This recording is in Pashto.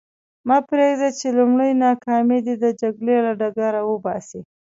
مه پرېږده چې لومړۍ ناکامي دې د جګړې له ډګر وباسي.